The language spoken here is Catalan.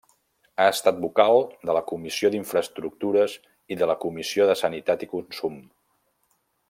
Ha estat vocal de la Comissió d'Infraestructures i de la Comissió de Sanitat i Consum.